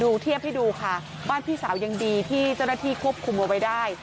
เทียบให้ดูค่ะบ้านพี่สาวยังดีที่เจ้าหน้าที่ควบคุมเอาไว้ได้